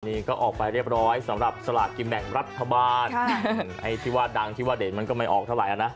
นี่ก็ออกไปเรียบร้อยสำหรับสลากกินแบ่งรัฐบาลไอ้ที่ว่าดังที่ว่าเด่นมันก็ไม่ออกเท่าไหร่นะ